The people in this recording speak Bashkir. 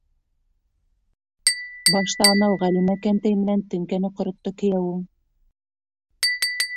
Башта анау Ғәлимә кәнтәй менән теңкәне ҡоротто кейәүең.